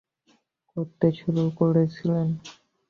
করতে শুরু করছিলেন।